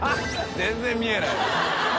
全然見えない。